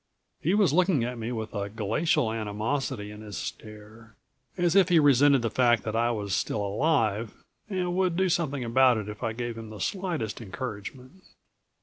He was looking at me with a glacial animosity in his stare, as if he resented the fact that I was still alive and would do something about it if I gave him the slightest encouragement.